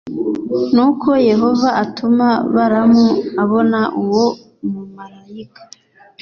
Nuko Yehova atuma Balamu abona uwo mumarayika